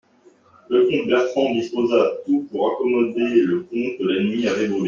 Le comte Bertrand disposa tout pour raccommoder le pont que l'ennemi avait brûlé.